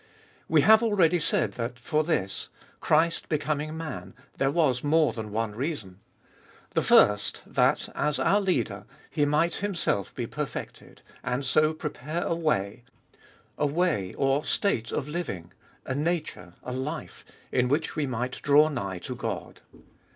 We have already said that for this, Christ becoming man, there was more than one reason. The first, that, as our Leader, He might Himself be perfected, and so prepare a way — a way or state of living, a nature, a life, in which we might draw nigh to God.